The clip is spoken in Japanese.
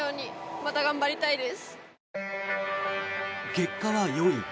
結果は４位。